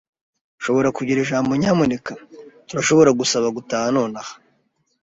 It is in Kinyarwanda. Nshobora kugira ijambo, nyamuneka? Turashobora gusaba gutaha nonaha?